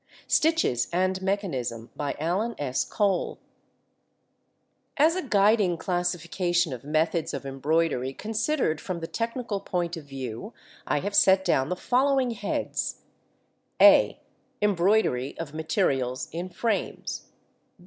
STITCHES AND MECHANISM As a guiding classification of methods of embroidery considered from the technical point of view, I have set down the following heads: (a) Embroidery of materials in frames.